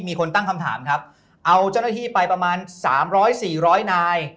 มีคนตั้งคำถามครับเอาเจ้าหน้าที่ไปประมาณ๓๐๐๔๐๐นาย